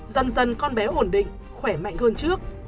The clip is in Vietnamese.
dần dần con bé ổn định khỏe mạnh hơn trước